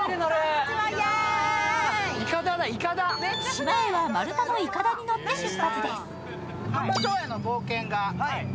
島へは丸太のいかだに乗って出発です。